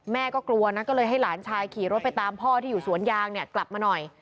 แม่ก็กลัวนะก็เลยให้หลานชายขี่รถไปตามพ่อที่อยู่สวนยางเนี่ยกลับมาหน่อย